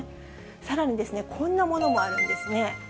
さらにですね、こんなものもあるんですね。